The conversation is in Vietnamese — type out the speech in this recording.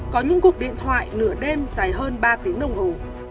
có những cuộc điện thoại nửa đêm dài hơn ba tiếng đồng hồ